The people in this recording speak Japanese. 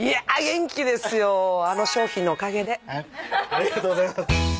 ありがとうございます。